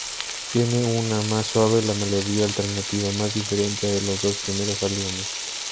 Tiene una, más suave, la melodía alternativa más diferente de los dos primeros álbumes.